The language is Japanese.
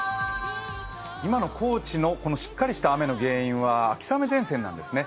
今の高知のしっかりした雨の原因は秋雨前線なんですね。